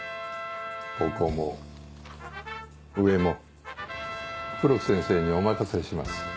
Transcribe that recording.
ここも上も黒木先生にお任せします。